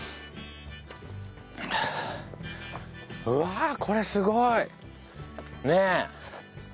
うわこれすごい！ねえ。